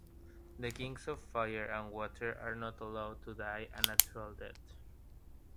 The Kings of Fire and Water are not allowed to die a natural death.